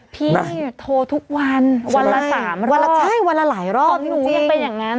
พี่โทรทุกวันวันละ๓รอบของหนูยังเป็นอย่างนั้นจริง